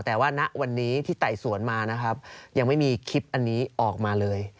แต่ว่าณวันนี้ที่ไต่สวนมานะครับยังไม่มีคลิปอันนี้ออกมาเลย